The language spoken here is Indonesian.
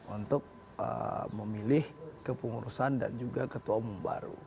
untuk memilih kepengurusan dan juga ketua umum baru